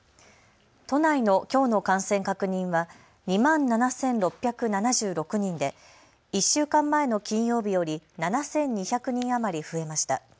都内のきょうの感染確認は２万７６７６人で１週間前の金曜日より７２００人余り増えました。